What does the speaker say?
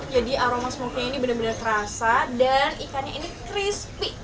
jadi aroma smoke nya ini benar benar terasa dan ikannya ini crispy